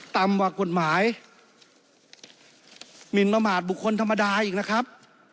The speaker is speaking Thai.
ต่ำกว่ากฎหมายหมินประมาทบุคคลธรรมดาอีกนะครับ